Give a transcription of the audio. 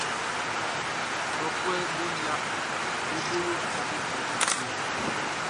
Klɔfuɛʼm be yia be bo yo kun be di fie.